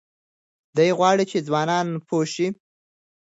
دی غواړي چې ځوانان پوه شي.